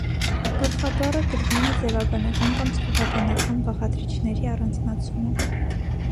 Գլխաբառը գրվում է ձևաբանական կամ ստուգաբանական բաղադրիչների առանձնացումով։